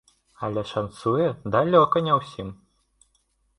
Але шанцуе далёка не ўсім.